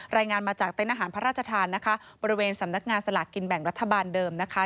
รายงานมาจากเต้นอาหารพระราชทานนะคะบริเวณสำนักงานสลากกินแบ่งรัฐบาลเดิมนะคะ